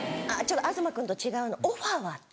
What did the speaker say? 東君とは違うのオファーはあった。